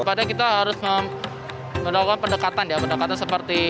padahal kita harus melakukan pendekatan ya pendekatan seperti